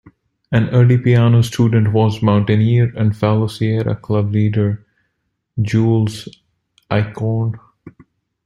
An early piano student was mountaineer and fellow Sierra Club leader Jules Eichorn.